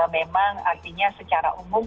memang artinya secara umum